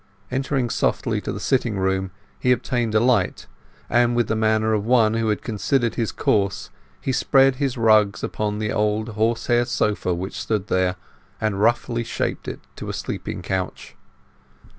Entering softly to the sitting room he obtained a light, and with the manner of one who had considered his course he spread his rugs upon the old horse hair sofa which stood there, and roughly shaped it to a sleeping couch.